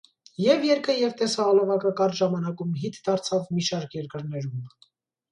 Ե՛վ երգը, և՛ տեսահոլովակը կարճ ժամանակում հիթ դարձավ մի շարք երկրներում։